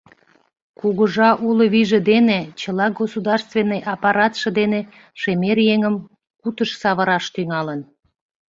Кугыжа уло вийже дене, чыла государственный аппаратше дене шемер еҥым кутыш савыраш тӱҥалын.